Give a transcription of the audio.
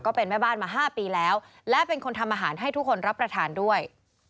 ก็เป็นแม่บ้านมา๕ปีแล้วและเป็นคนทำอาหารให้ทุกคนรับประทานด้วย